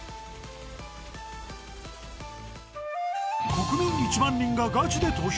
国民１万人がガチで投票！